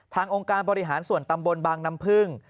องค์การบริหารส่วนตำบลบางน้ำพึ่ง